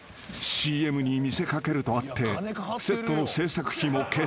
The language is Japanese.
［ＣＭに見せかけるとあってセットの製作費も桁違い］